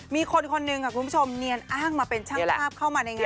มีคนคนหนึ่งค่ะคุณผู้ชมเนียนอ้างมาเป็นช่างภาพเข้ามาในงาน